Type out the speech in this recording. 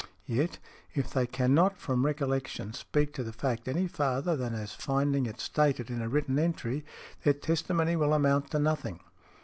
Yet, if they can not from recollection speak to the fact any farther than as finding it stated in a written entry, their testimony will amount to nothing.